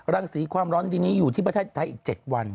รังสีความร้อนดินนี้อยู่ที่ประเทศไทยอีก๗วัน